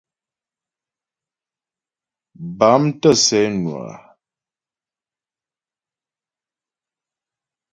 Bâm tə̂ sɛ́ nwə á.